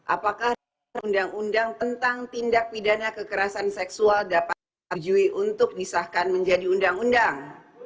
apakah ruu tentang tindak pidana kekerasan seksual dapat disahkan menjadi undang undang